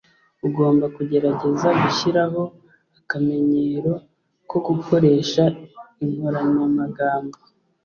ugomba kugerageza gushiraho akamenyero ko gukoresha inkoranyamagambo